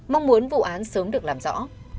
mong muốn vụ án sớm được làm rõ